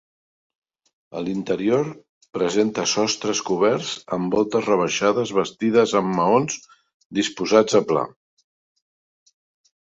A l'interior presenta sostres coberts amb voltes rebaixades bastides amb maons disposats a pla.